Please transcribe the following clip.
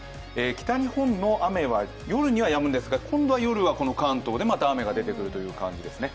北日本の雨は夜にはやむんですが今度は夜は関東でまた雨が出てくるという感じですね。